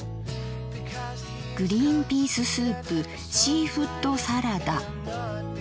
「グリンピーススープシーフッドサラダ」。